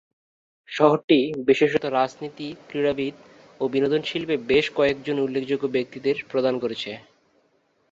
শহরটি বিশেষত রাজনীতি, ক্রীড়াবিদ ও বিনোদন শিল্পে বেশ কয়েক জন উল্লেখযোগ্য ব্যক্তিদের প্রদান করেছে।